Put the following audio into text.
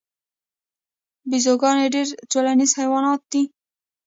بیزوګان ډیر ټولنیز حیوانات دي